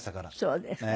そうですか。